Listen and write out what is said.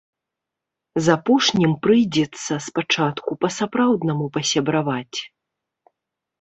З апошнім прыйдзецца спачатку па-сапраўднаму пасябраваць.